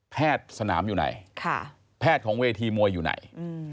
สนามอยู่ไหนแพทย์ของเวทีมวยอยู่ไหน